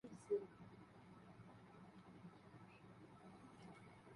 আজিজুল হাকিমের স্ত্রী নার্গিস আসার খানম কাজী নজরুল ইসলামের প্রথম স্ত্রী ছিলেন।